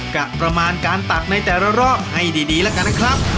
ประมาณการตักในแต่ละรอบให้ดีแล้วกันนะครับ